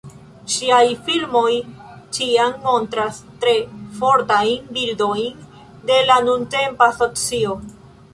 Ŝiaj filmoj ĉiam montras tre fortajn bildojn de la nuntempa socio.